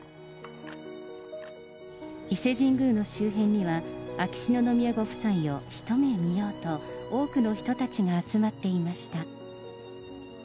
伊勢神宮の周辺には、秋篠宮ご夫妻を一目見ようと、多くの人たちが集まっていました。